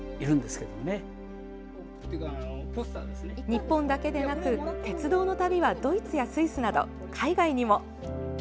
日本だけでなく鉄道の旅はドイツやスイスなど、海外にも。